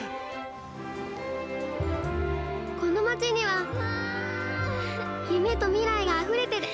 この街には夢と未来があふれてる。